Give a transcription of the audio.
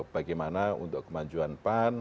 bagaimana untuk kemajuan pan